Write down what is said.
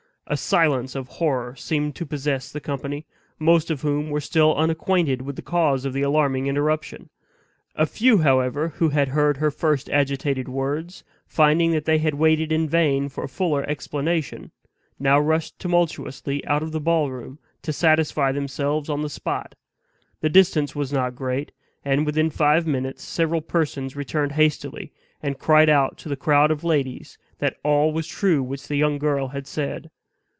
A silence of horror seemed to possess the company, most of whom were still unacquainted with the cause of the alarming interruption. A few, however, who had heard her first agitated words, finding that they waited in vain for a fuller explanation, now rushed tumultuously out of the ballroom to satisfy themselves on the spot. The distance was not great; and within five minutes several persons returned hastily, and cried out to the crowd of ladies that all was true which the young girl had said.